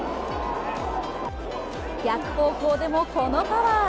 逆方向でも、このパワー。